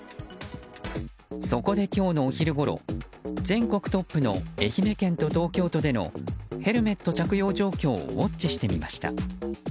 そこで今日のお昼ごろ全国トップの愛媛県と東京都でのヘルメット着用状況をウォッチしてみました。